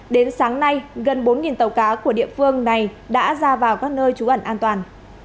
đến sáng nay gần bốn tàu cá của địa phương này đã ra vào các nơi trú ẩn an toàn